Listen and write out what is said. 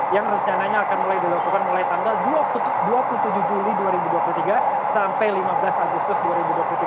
yang rencananya akan mulai dilakukan mulai tanggal dua puluh tujuh juli dua ribu dua puluh tiga sampai lima belas agustus dua ribu dua puluh tiga